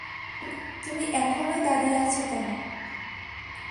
তুমি এখনও দাঁড়িয়ে আছ কেন?